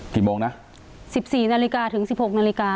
กี่โมงนะสิบสี่นาฬิกาถึง๑๖นาฬิกา